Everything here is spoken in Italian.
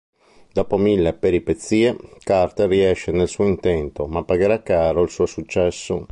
Dopo mille peripezie Carter riesce nel suo intento, ma pagherà caro il suo successo.